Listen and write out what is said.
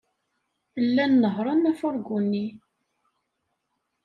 Llan nehhṛen afurgu-nni.